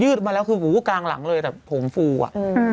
มาแล้วคือหูกลางหลังเลยแต่ผงฟูอ่ะ